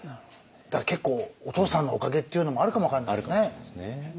だから結構お父さんのおかげっていうのもあるかも分かんないですね。